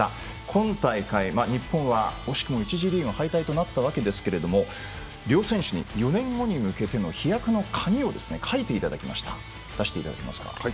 今大会、日本は惜しくも１次リーグ敗退となりましたが両選手に４年後に向けての飛躍の鍵を書いていただきました。